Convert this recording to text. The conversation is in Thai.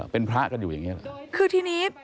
เป็นพระกันอยู่อย่างนี้